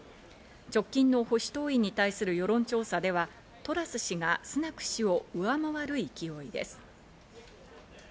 直近の保守党員に対する世論調査では、トラス氏がスナク氏を上回る勢いです。